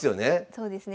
そうですね。